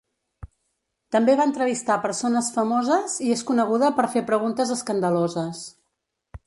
També va entrevistar persones famoses, i és coneguda per fer preguntes escandaloses.